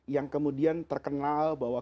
yang kemudian terkenal bahwa